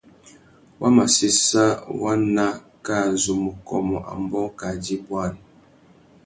Wa mà séssa waná kā zu mù kômô ambōh kā djï bwari.